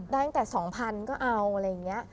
ตั้งแต่๒๐๐๐ก็เอาอะไรอย่างนี้